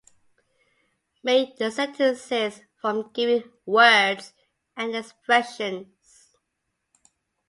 Make the sentences from given words and expressions.